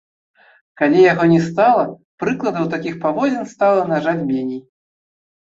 Калі яго не стала, прыкладаў такіх паводзін стала, на жаль, меней.